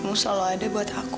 kamu selalu ada buat aku